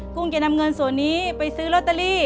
ุ้งจะนำเงินส่วนนี้ไปซื้อลอตเตอรี่